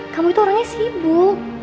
kamu itu orangnya sibuk